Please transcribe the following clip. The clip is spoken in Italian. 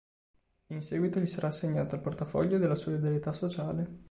In seguito gli sarà assegnato il portafoglio della Solidarietà sociale.